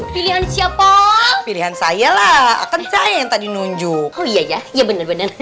pilihan siapa pilihan saya lah akan saya yang tadi nunjuk oh iya ya bener bener